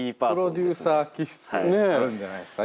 プロデューサー気質あるんじゃないですか？